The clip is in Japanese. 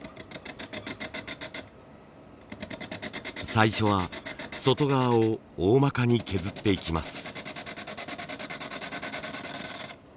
最初は外側を大まかに削っていきます。